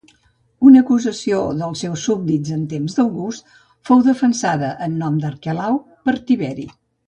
Una acusació dels seus súbdits en temps d'August fou defensada en nom d'Arquelau per Tiberi.